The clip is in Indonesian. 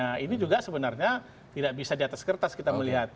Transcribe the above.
nah ini juga sebenarnya tidak bisa di atas kertas kita melihat